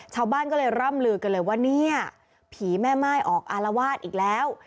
ชาวบ้านก็เลยร่ำลือกันเลยว่าเนี่ยผีแม่ม่ายออกอารวาสอีกแล้ว